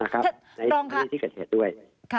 ในที่เกิดเหตุด้วย